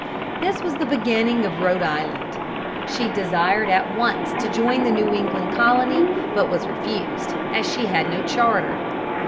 This was the beginning of Rhode Island. She desired at once to join the New England Colony, but was refused, as she had no charter.